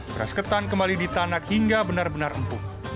beras ketan kembali ditanak hingga benar benar empuk